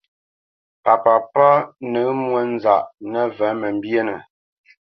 Pa papá nǝ̂ǝ̂ mwónzaʼ nǝvǝ̂ mǝmbyénǝ.